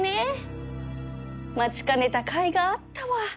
待ちかねたかいがあったわ